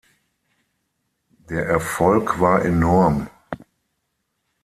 Der Erfolg war enorm.